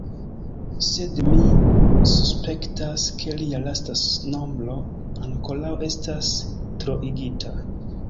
Sed mi suspektas, ke lia lasta nombro ankoraŭ estas troigita.